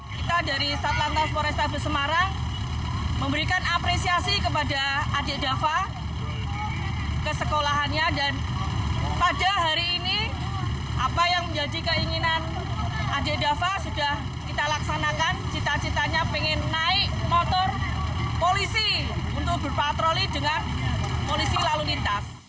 kita dari satlantas polrestabel semarang memberikan apresiasi kepada adik dava kesekolahannya dan pada hari ini apa yang menjadi keinginan adik dava sudah kita laksanakan cita citanya pengen naik motor polisi untuk berpatroli dengan polisi lalu lintas